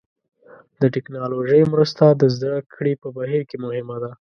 د ټکنالوژۍ مرسته د زده کړې په بهیر کې مهمه ده.